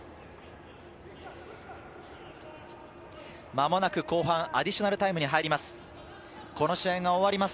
間もなく後半アディショナルタイムに入ります。